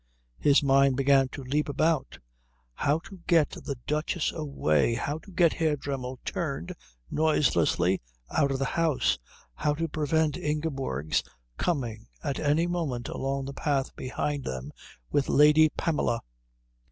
His mind began to leap about. How to get the Duchess away; how to get Herr Dremmel turned, noiselessly, out of the house; how to prevent Ingeborg's coming at any moment along the path behind them with Lady Pamela....